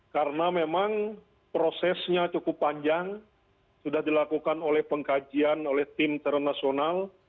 karena memang prosesnya cukup panjang sudah dilakukan oleh pengkajian oleh tim ternasional